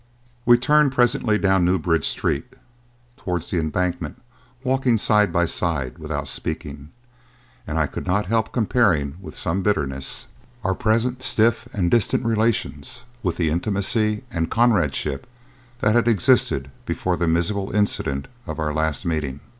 We turned presently down New Bridge Street, towards the Embankment, walking side by side without speaking, and I could not help comparing, with some bitterness, our present stiff and distant relations with the intimacy and comradeship that had existed before the miserable incident of our last meeting.